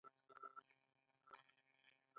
د کابل په میربچه کوټ کې د خښتو خاوره شته.